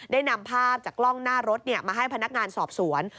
ได้นำภาพจากกล้องหน้ารถมาให้พนักงานสอบสวน